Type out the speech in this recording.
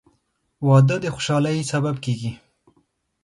• واده د خوشحالۍ سبب کېږي.